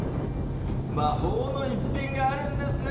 魔法の一品があるんですね。